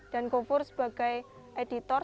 dan gofur sebagai editor